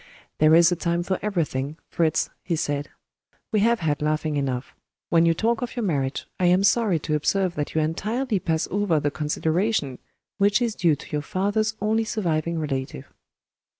"There is a time for everything, Fritz," he said. "We have had laughing enough. When you talk of your marriage, I am sorry to observe that you entirely pass over the consideration which is due to your father's only surviving relative."